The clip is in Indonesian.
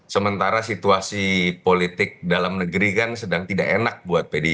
sementara situasi politik dalam negeri kan sedang tidak enak buat pdip